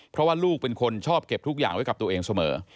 เพราะว่าลูกเป็นคนชอบเก็บทุกอย่างไว้กับตัวเองเสมอ